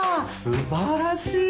すばらしい！